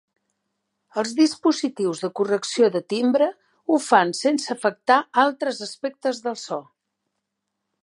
Els dispositius de correcció de timbre ho fan sense afectar altres aspectes del so.